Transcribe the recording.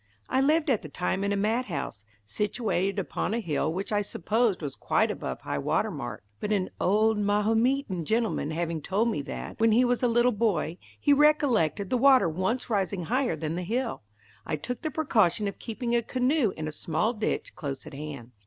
I lived at the time in a mat house, situated upon a hill which I supposed was quite above high water mark, but an old Mahometan gentleman having told me that, when he was a little boy, he recollected the water once rising higher than the hill, I took the precaution of keeping a canoe in a small ditch close at hand.